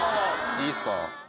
いいですか？